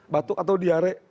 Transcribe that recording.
batuk atau diare